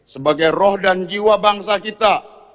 sebagai roh dan jiwa bangsa kita